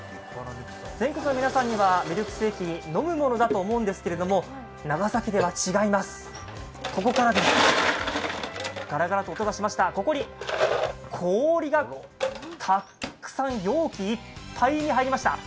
全国の皆さんにはミルクセーキ飲むものだと思うんですけども長崎では違います、ここからです、ガラガラと音がしました、ここに氷が容器いっぱいに入りました。